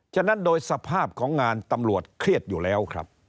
ฉะนั้นโดยสภาพของงานตำรวจเครียดอยู่แล้วครับ